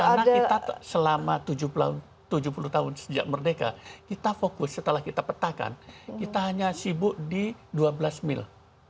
karena kita selama tujuh puluh tahun sejak merdeka kita fokus setelah kita petakan kita hanya sibuk di dua belas mil